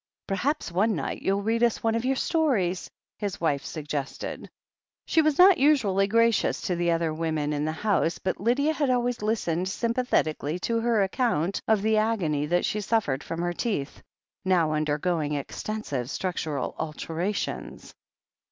"Perhaps one night you'll read us one of your stories," his wife suggested. She was not usually gracious to the other women in the house, but Lydia had always listened sympathet ically to her account of the agony that she suffered from her teeth, now undergoing extensive structural alterations.